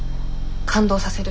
感動させる。